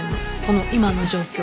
この今の状況。